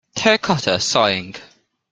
Terracotta sighing.